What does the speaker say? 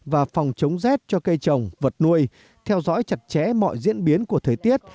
và phòng chống rét cho cây trồng vật nuôi theo dõi chặt chẽ mọi diễn biến của thời tiết